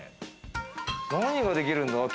何ができるんだ？